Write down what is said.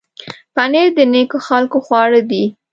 پنېر د نېکو خلکو خواړه دي.